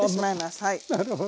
なるほど。